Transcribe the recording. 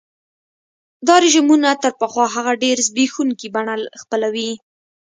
دا رژیمونه تر پخوا هغه ډېره زبېښونکي بڼه خپلوي.